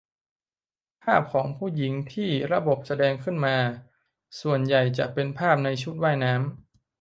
ภาพของผู้หญิงที่ระบบแสดงขึ้นมา ส่วนใหญ่จะเป็นภาพในชุดว่ายน้ำ